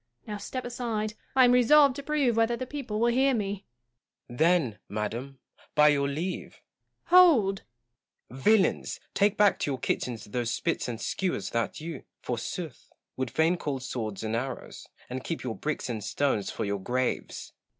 Now step aside : I am resolved to prove whether the people will hear me. Gaunt. Then, madam, by your leave Joanna. Hold ! Gaunt. Villains ! take back to your kitchens those spits and skewers that you, forsooth, would fain call swords and arrows ; and keep your bricks and stones for your graves